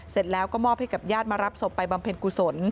เสร็จแล้วก็มอบให้กับญาติมารับศพไปบำเพ็ญกุศล